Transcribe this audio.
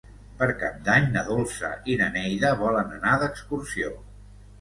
Per Cap d'Any na Dolça i na Neida volen anar d'excursió.